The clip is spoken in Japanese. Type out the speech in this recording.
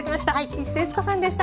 市瀬悦子さんでした。